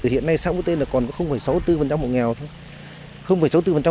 hiện nay xã vũ tây còn có sáu mươi bốn hộ nghèo thôi